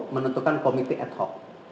menentukan komiti ad hoc